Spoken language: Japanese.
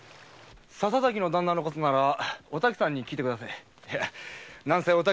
笹崎のダンナのことならおたきさんに聞いてください。